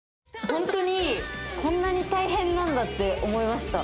ホントにこんなに大変なんだって思いました